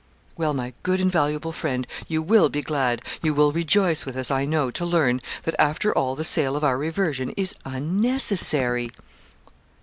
'Well, my good invaluable friend, you will be glad you will rejoice with us, I know, to learn that, after all, the sale of our reversion is unnecessary.'